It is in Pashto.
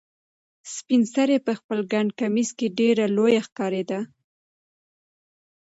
سپین سرې په خپل ګڼ کمیس کې ډېره لویه ښکارېده.